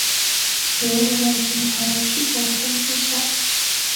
流域内形成了许多冲积扇。